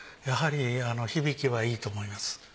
やはり響きはいいと思います。